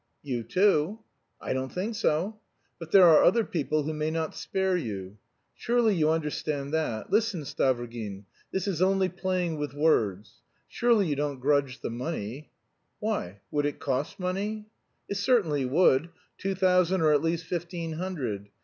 "You too." "I don't think so." "But there are other people who may not spare you. Surely you understand that? Listen, Stavrogin. This is only playing with words. Surely you don't grudge the money?" "Why, would it cost money?" "It certainly would; two thousand or at least fifteen hundred.